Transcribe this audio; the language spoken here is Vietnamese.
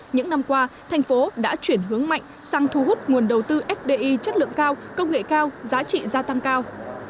những năm qua thành phố đã chuyển hướng mạnh sang thu hút nguồn đầu tư fdi chất lượng cao công nghệ cao giá trị gia tăng cao